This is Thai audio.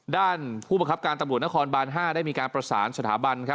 ผู้บังคับการตำรวจนครบาน๕ได้มีการประสานสถาบัน